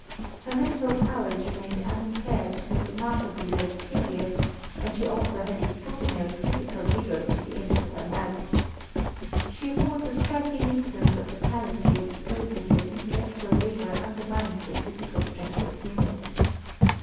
Her mental powers remained unimpaired to a remarkably late period, and she also had extraordinary physical vigour to the end of her life. She affords a striking instance of the fallacy of supposing that intellectual labour undermines the physical strength of women.